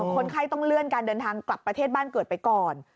คนไข้ต้องเลื่อนการเดินทางกลับประเทศบ้านเกิดไปก่อน